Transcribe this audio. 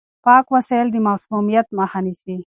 پاک وسايل د مسموميت مخه نيسي.